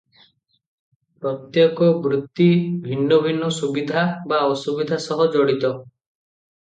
ପ୍ରତ୍ୟେକ ବୃତ୍ତି ଭିନ୍ନ ଭିନ୍ନ ସୁବିଧା ବା ଅସୁବିଧା ସହ ଜଡ଼ିତ ।